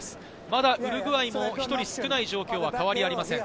ただウルグアイも１人少ない状況に変わりはありません。